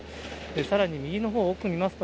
さらに右のほう、奥を見ますと、